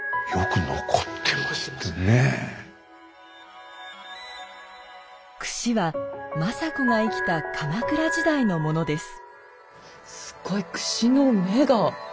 くしは政子が生きた鎌倉時代のものです。